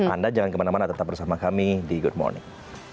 anda jangan kemana mana tetap bersama kami di good morning